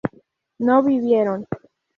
no vivieron